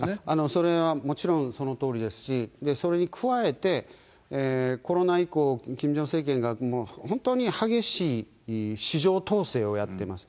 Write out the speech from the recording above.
それはもちろんそのとおりですし、それに加えて、コロナ以降、キム・ジョンウン政権が、もう本当に激しい市場統制をやってます。